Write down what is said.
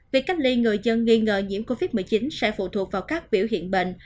việc cách ly người dân nghi ngờ nhiễm covid một mươi chín sẽ phụ thuộc vào các biểu hiện bệnh